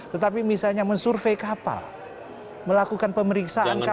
tetapi misalnya men survey kapal melakukan pemeriksaan kapal